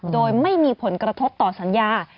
โดยไม่มีผลกระทบต่อสัญญา